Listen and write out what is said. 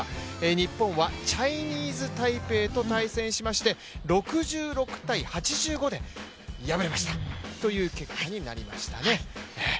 日本はチャイニーズ・タイペイと対戦しまして６６−８５で敗れましたという結果になりましたね。